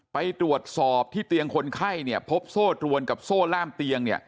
ไปตรวจสอบที่เตียงคนไข้พบโซ่ตรวนกับโซ่ล่ามเตียง